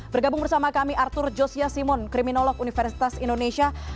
bergabung bersama kami arthur josiasimon kriminolog universitas indonesia